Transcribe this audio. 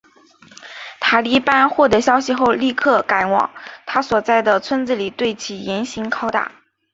塔利班获得消息后立刻赶往他所在的村子里对其严刑拷打。